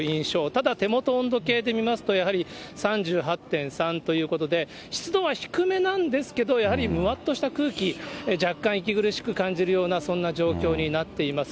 ただ、手元温度計で見ますと、やはり３８．３ということで、湿度は低めなんですけれども、やはりむわっとした空気、若干息苦しく感じるようなそんな状況になっています。